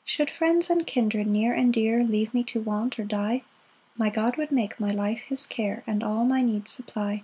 3 Should friends and kindred near and dear Leave me to want, or die, My God would make my life his care And all my need supply.